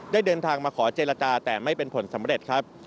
เดินทางมาขอเจรจาแต่ไม่เป็นผลสำเร็จครับ